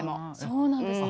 そうなんですね。